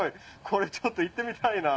これちょっと行ってみたいな。